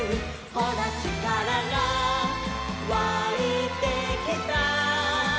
「ほらちからがわいてきた」